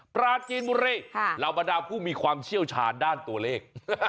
ปราจีนบุรีเหล่าบรรดาผู้มีความเชี่ยวชาญด้านตัวเลข